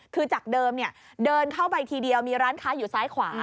คือจากเดิมเดินเข้าไปทีเดียวมีร้านค้าอยู่ซ้ายขวา